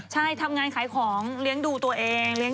ใช่ทำงานขายของเลี้ยงดูตัวเอง